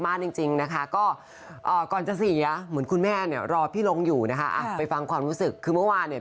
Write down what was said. มากจริงก็ก่อนจะสีเหมือนคุณแม่ต้องรอพี่ลงอยู่นะคะไปฟังความรู้สึกคือเมื่อวานแหล่ะ